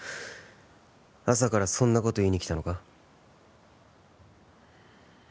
朝からそんなこと言いに来たのか？